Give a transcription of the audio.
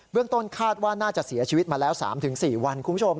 ต้นคาดว่าน่าจะเสียชีวิตมาแล้ว๓๔วันคุณผู้ชม